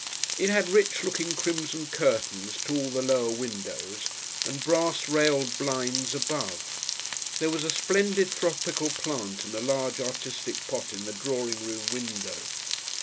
It had rich looking crimson curtains to all the lower windows and brass railed blinds above. There was a splendid tropical plant in a large, artistic pot in the drawing room window.